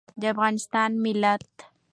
د افغانستان ملت